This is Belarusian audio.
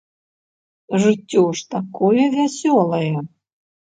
Жыццё ж такое вясёлае!